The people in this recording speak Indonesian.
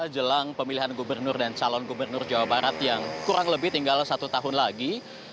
jelang pemilihan gubernur dan calon gubernur jawa barat yang kurang lebih tinggal satu tahun lagi